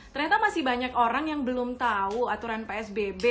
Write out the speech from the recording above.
ternyata masih banyak orang yang belum tahu aturan psbb